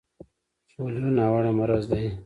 پولیو ناوړه مرض دی.